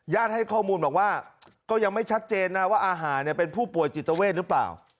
ให้ข้อมูลบอกว่าก็ยังไม่ชัดเจนนะว่าอาหารเป็นผู้ป่วยจิตเวทหรือเปล่า